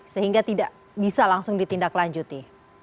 sehingga tidak bisa langsung ditindak lanjuti